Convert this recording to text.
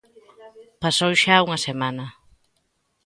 Pasou xa unha semana.